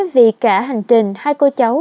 vì cả hành trình hai cô cháu